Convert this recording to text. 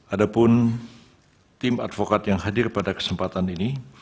ada pun tim advokat yang hadir pada kesempatan ini